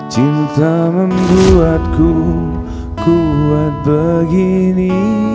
cinta membuatku kuat begini